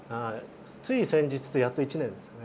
つい先日でやっと１年ですね。